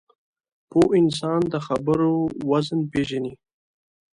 پوه انسان د خبرو وزن پېژني